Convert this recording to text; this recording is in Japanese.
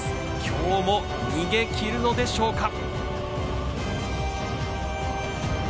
きょうも逃げきるのでしょうか。